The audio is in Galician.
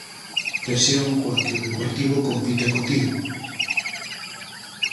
Presión coa que o Deportivo compite acotío.